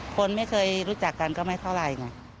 คนไม่เคยรู้จักกันก็ไม่เท่าไหร่ไง